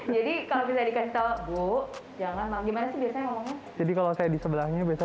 jadi kalau bisa dikasih tahu bu jangan mau gimana sih biasanya jadi kalau saya di sebelahnya bisa